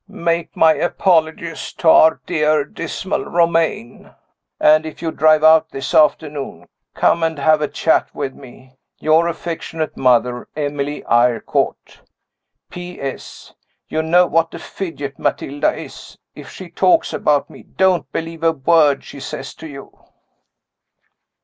Make my apologies to our dear dismal Romayne and if you drive out this afternoon, come and have a chat with me. Your affectionate mother, Emily Eyrecourt. P. S. You know what a fidget Matilda is. If she talks about me, don't believe a word she says to you."